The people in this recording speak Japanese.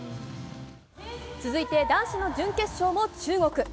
続いて男子の準決勝も中国。